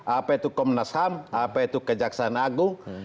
apa itu komnas ham apa itu kejaksaan agung